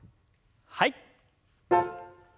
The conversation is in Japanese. はい。